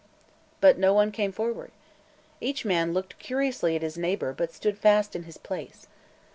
But no one came forward. Each man looked curiously at his neighbor but stood fast in his place.